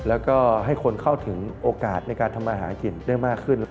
แล้วก็ให้คนเข้าถึงโอกาสในการทำมาหากินได้มากขึ้น